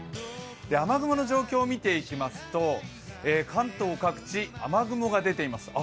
雨雲の状況を見ていきますと関東各地、雨雲が出ています。